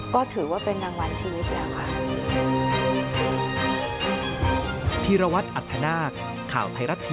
ก็ถือว่าเป็นรางวัลชีวิตแล้วค่ะ